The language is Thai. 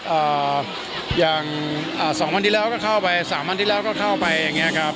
อ่าอย่างอ่าสองวันที่แล้วก็เข้าไปสามวันที่แล้วก็เข้าไปอย่างเงี้ครับ